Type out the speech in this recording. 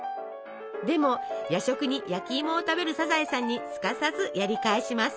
でも夜食に焼きいもを食べるサザエさんにすかさずやり返します。